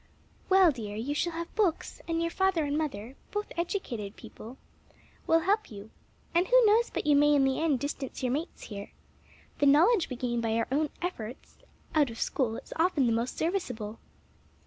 "Well, dear, you shall have books, and your father and mother both educated people will help you; and who knows but you may in the end distance your mates here? The knowledge we gain by our own efforts, out of school, is often the most serviceable."